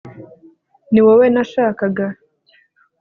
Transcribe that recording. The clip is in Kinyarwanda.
Niwowe nashakaga